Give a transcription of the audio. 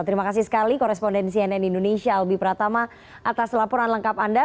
terima kasih sekali korespondensi nn indonesia albi pratama atas laporan lengkap anda